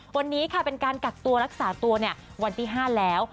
วันนี้ค่ะเป็นการกักตัวรักษาตัววันที่๕แล้ว